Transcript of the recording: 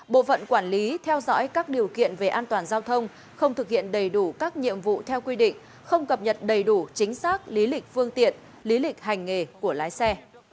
bộ phận quản lý theo dõi các điều kiện về an toàn giao thông không thực hiện đầy đủ các nhiệm vụ theo quy định không cập nhật đầy đủ chính xác lý lịch phương tiện lý lịch hành nghề của lái xe